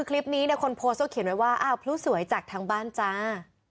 คลิปนี้คนโพสต์เขียนไว้ว่าพลู่สวยจากทางบ้านจ้า